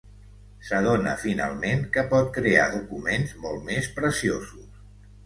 S'adona finalment que pot crear documents molt més preciosos.